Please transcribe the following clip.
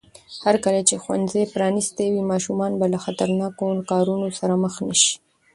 هرکله چې ښوونځي پرانیستي وي، ماشومان به له خطرناکو کارونو سره مخ نه شي.